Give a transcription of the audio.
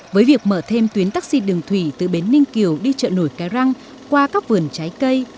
với việc mở thêm tuyến taxi đường thủy từ bến ninh kiều đi chợ nổi cái răng qua các vườn trái cây